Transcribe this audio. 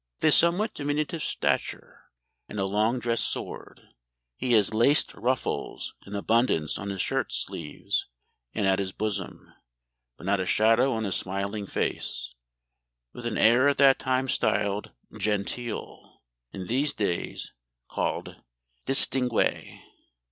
With a somewhat diminutive stature and a long dress sword; he has laced ruffles in abundance on his shirt sleeves and at his bosom, but not a shadow on his smiling face; with an air at that time styled 'genteel,' in these days called distingué.